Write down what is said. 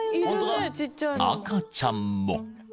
［赤ちゃんも］